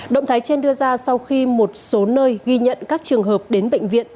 động thái trên đưa ra sau khi một số nơi ghi nhận các trường hợp đến bệnh viện